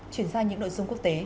chuyển sang những nội dung quốc tế